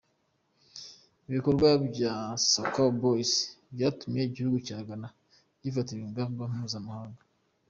Ibikorwa bya “Sakawa Boys” byatumye igihugu cya Ghana gifatirwa ingamba mpuzamahanga.